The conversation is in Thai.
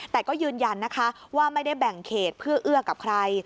แต่ก็ยืนยันนะคะว่าไม่ได้แบ่งเขตเพื่อเอื้อกับใคร